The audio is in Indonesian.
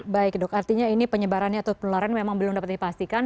baik dok artinya ini penyebarannya atau penularan memang belum dapat dipastikan